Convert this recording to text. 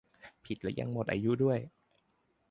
ผิดแล้วยังหมดอายุด้วย